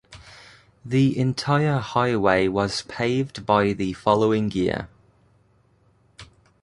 The entire highway was paved by the following year.